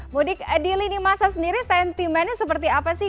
mudik di lini masa sendiri sentimennya seperti apa sih